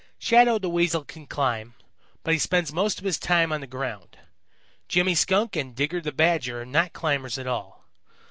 Shadow the Weasel can climb, but he spends most of his time on the ground. Jimmy Skunk and Digger the Badger are not climbers at all.